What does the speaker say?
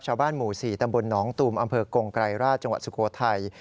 ชาวบ้านหมู่๔ตำบลหนองตูมอำเภอกงไกรราชจังหวัดสุโขทัย